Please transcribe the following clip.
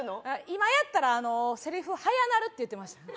今やったらせりふ早なるって言ってましたね